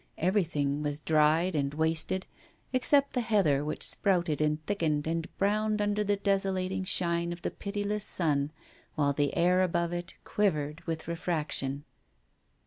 Everything was dried and wasted, except the heather which sprouted and thickened and browned under the desolating shine of the pitiless sun, while the air above it quivered with refraction.